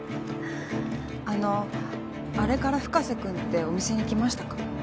あのあれから深瀬君ってお店に来ましたか？